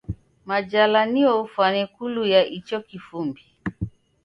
Majala nio ufwane kuluya icho kifumbi.